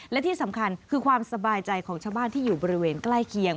และที่สำคัญคือความสบายใจของชาวบ้านที่อยู่บริเวณใกล้เคียง